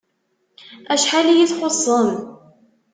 Acḥal iyi-txuṣṣem!